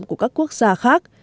của các quốc gia khác